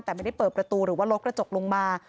แต่ไม่ได้เปิดประตูหรือว่าลดกระจกลงมา